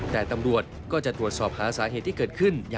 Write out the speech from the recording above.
แต่ตำรวจก็จะตรวจสอบหาสาเหตุที่เกิดขึ้น